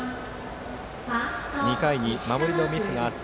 ２回に守りのミスがあった